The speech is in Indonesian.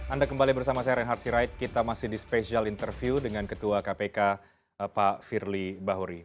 anda kembali bersama saya reinhard sirait kita masih di spesial interview dengan ketua kpk pak firly bahuri